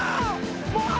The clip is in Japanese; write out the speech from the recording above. もう！